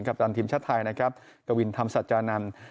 ปตันทีมชาติไทยนะครับกวินธรรมสัจจานันทร์